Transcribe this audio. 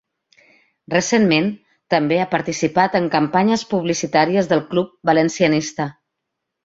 Recentment, també ha participat en campanyes publicitàries del club valencianista.